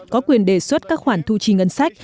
có quyền đề xuất các khoản thu chi ngân sách